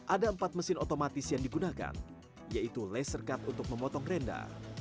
ada empat mesin otomatis yang digunakan yaitu laser cut untuk memotong rendah